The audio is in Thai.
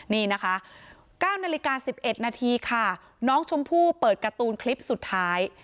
นี่นะคะ๙นาฬิกา๑๑นาทีค่ะน้องชมพู่เปิดการ์ตูนคลิปสุดท้าย